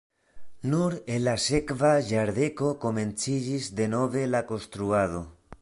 Nur en la sekva jardeko komenciĝis denove la konstruado.